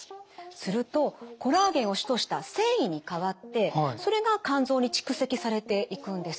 するとコラーゲンを主とした線維に変わってそれが肝臓に蓄積されていくんです。